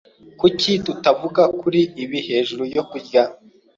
Kuki tutavuga kuri ibi hejuru yo kurya?